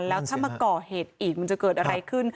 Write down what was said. แล้วถ้ามาก่อเหตุอีกมันจะเกิดอะไรขึ้น